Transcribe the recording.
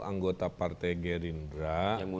anggota partai gerindra